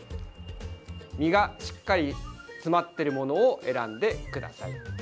実がしっかり詰まっているものを選んでください。